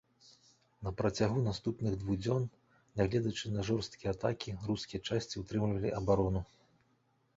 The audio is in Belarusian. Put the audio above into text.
На працягу наступных двух дзён, нягледзячы на жорсткія атакі, рускія часці ўтрымлівалі абарону.